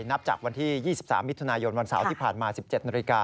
นับจากวันที่๒๓มิถุนายนวันเสาร์ที่ผ่านมา๑๗นาฬิกา